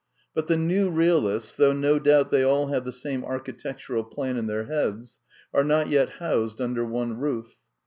But the New Realists, though no doubt they all have the same architectural plan in their heads, are not yet housed under one roof.